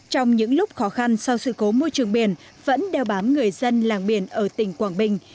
trong những lúc khó khăn sau sự cố môi trường biển vẫn đeo bám người dân làng biển ở tỉnh quảng bình